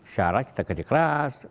syarat kita kerja keras